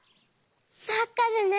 まっかでね。